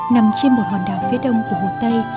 nằm trên một hòn đảo phía đông của hồ tây